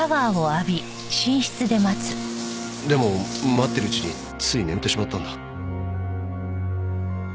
でも待ってるうちについ眠ってしまったんだ。